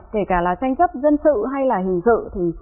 kể cả là tranh chấp dân sự hay là hình sự